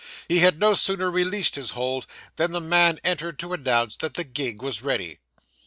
He had no sooner released his hold, than the man entered to announce that the gig was ready.